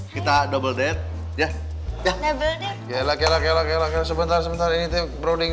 kita double date ya ya ya gila gila gila gila gila sebentar sebentar ini tuh broding